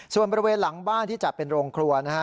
ส่วนบริเวณหลังบ้านที่จัดเป็นโรงครัวนะฮะ